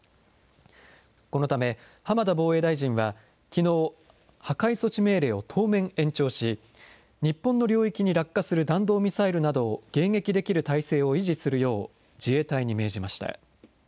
このため、浜田防衛大臣はきのう、破壊措置命令を当面延長し、日本の領域に落下する弾道ミサイルなどを迎撃できる態勢を維持するよう、自衛隊に命じました。